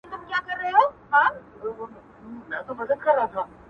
یو عرب وو په صحرا کي را روان وو!!